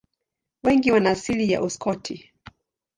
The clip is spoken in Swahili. Wengi wana asili ya Uskoti.